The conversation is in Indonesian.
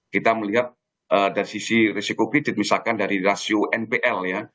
kita melihat dari sisi risiko kredit misalkan dari rasio npl ya